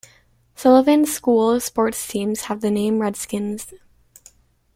Sullivan's school sports teams have the name Redskins.